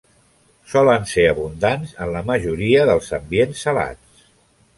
Solen ser abundants en la majoria dels ambients salats.